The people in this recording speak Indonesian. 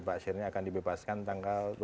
pak sirnya akan dibebaskan tanggal dua puluh empat